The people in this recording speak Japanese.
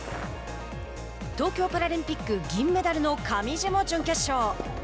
東京パラリンピック銀メダルの上地も準決勝。